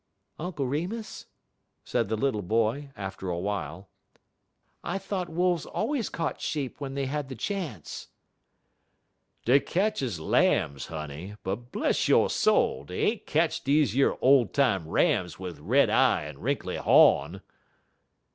"Uncle Remus," said the little boy after a while, "I thought wolves always caught sheep when they had the chance." "Dey ketches lam's, honey, but bless yo' soul! dey ain't ketch deze yer ole time Rams wid red eye en wrinkly hawn."